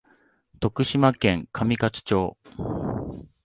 徳島県上勝町